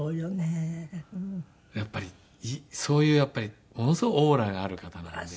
やっぱりそういうものすごいオーラがある方なので。